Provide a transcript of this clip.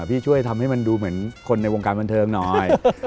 พี่ช่วยทำให้มันดูเหมือนคนในวงการบันเทิงหน่อย